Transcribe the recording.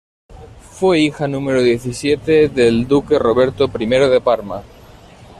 Fue hija número diecisiete del duque Roberto I de Parma.